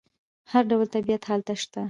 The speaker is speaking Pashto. هر ډول طبیعت هلته شته.